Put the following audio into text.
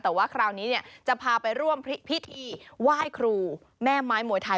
แต่ว่าคราวนี้จะพาไปร่วมพิธีไหว้ครูแม่ไม้มวยไทย